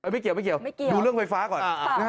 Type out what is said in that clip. ไม่เกี่ยวดูเรื่องไฟฟ้าก่อน